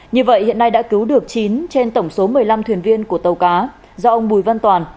như vậy hiện nay đã cứu được chín trên tổng số một mươi năm thuyền viên của tàu cá do ông bùi văn toàn